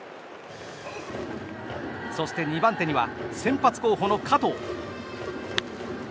そして２番手には先発候補の加藤。